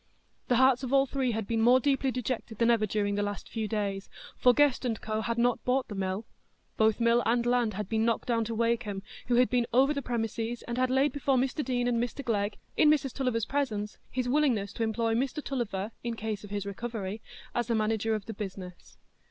The hearts of all three had been more deeply dejected than ever during the last few days. For Guest &Co. had not bought the mill; both mill and land had been knocked down to Wakem, who had been over the premises, and had laid before Mr Deane and Mr Glegg, in Mrs Tulliver's presence, his willingness to employ Mr Tulliver, in case of his recovery, as a manager of the business.